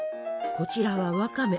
「こちらはワカメ